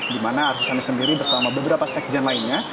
di mana arsosani sendiri bersama beberapa sekjen lainnya